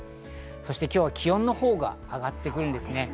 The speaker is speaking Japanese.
そして今日は気温のほうが上がってくるんですね。